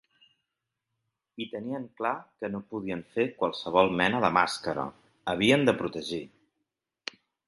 I tenien clar que no podien fer qualsevol mena de màscara, havien de protegir.